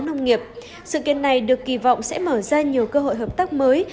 nông nghiệp sự kiện này được kỳ vọng sẽ mở ra nhiều cơ hội hợp tác mới